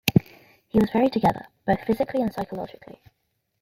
He was very together both physically and psychologically.